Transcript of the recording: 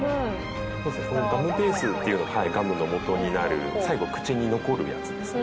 「そうですねこれガムベースっていうのをガムのもとになる最後口に残るやつですね」